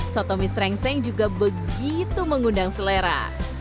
soto miss rengseng juga begitu mengundang selera